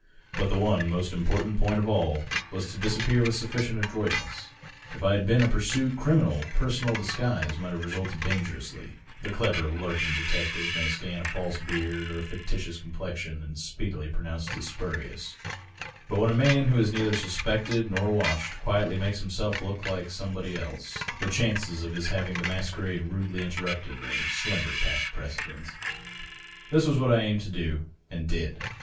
But the one most important point of all was to dis appear with sufiicient adroitness. If I had been a pursued criminal, personal disguise might have resulted dangerously ; the clever lurking detective may scan a &lse beard or a fictitious complexion and speedily pronounce it spurious ; but when a man who is neither suspected nor watched quietly makes himself look like somebody else, the chances of his having the masquerade rudely interrupted are slender past prece dent. This was what I aimed to do, and did.